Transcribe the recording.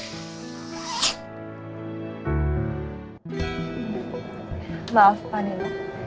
nih nanti aku mau minum